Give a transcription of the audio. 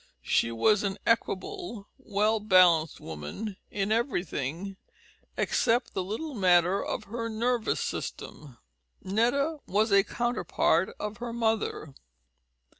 She was an equable, well balanced woman in everything except the little matter of her nervous system. Netta was a counterpart of her mother.